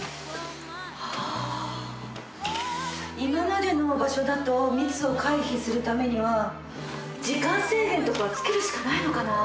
今までの場所だと密を回避するためには時間制限とかつけるしかないのかな。